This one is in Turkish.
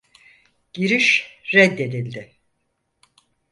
Giriş reddedildi.